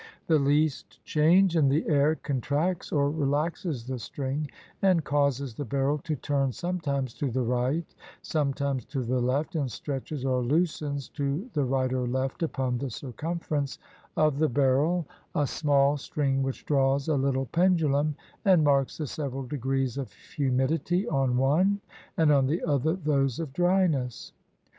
The least change in the air contracts or relaxes the string, and causes the barrel to turn sometimes to the right, sometimes to the left, and stretches or loosens to the right or left upon the circumference of the barrel a i6i CHINA small string which draws a little pendulum and marks the several degrees of humidity on one, and on the other those of dryness.